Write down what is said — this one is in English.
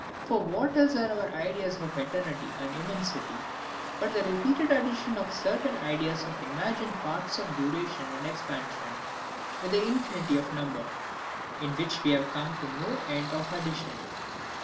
For what else are our ideas of Eternity and Immensity, but the repeated additions of certain ideas of imagined parts of duration and expansion, with the infinity of number; in which we can come to no end of addition?